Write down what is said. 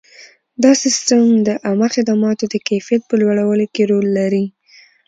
دا سیستم د عامه خدماتو د کیفیت په لوړولو کې رول لري.